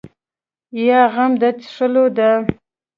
یا غم د څښلو ده.